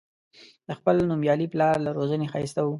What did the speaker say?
د خپل نومیالي پلار له روزنې ښایسته و.